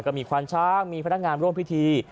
ก็มีควานช้างมีพนักงานร่วมพิธี